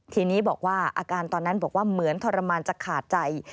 ทีนี้บอกว่าอาการตอนนั้นบอกว่าเหมือนทรมานจะขาดใจ